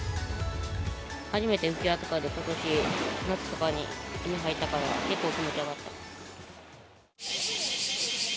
初めて浮き輪とかで、ことし、夏とかに海入ったから、結構気持ちよかった。